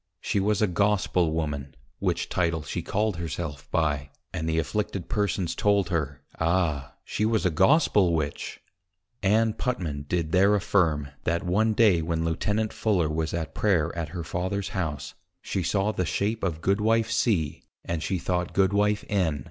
_ She was a Gospel Woman: Which Title she called her self by; and the Afflicted Persons told her, Ah! she was A Gospel Witch. Ann Putman did there affirm, that one day when Lieutenant Fuller was at Prayer at her Father's House, she saw the shape of Goodwife C. and she thought Goodwife _N.